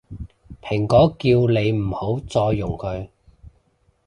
蘋果叫你唔好再用佢